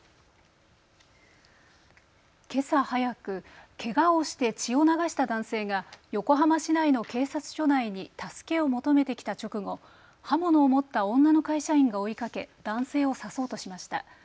けさ早くけがをして血を流した男性が横浜市内の警察署内に助けを求めてきた直後、刃物を持った女の会社員が追いかけ男性を刺そうとしました。